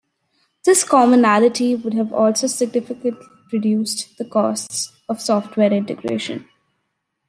This commonality would have also significant reduced the costs of software integration.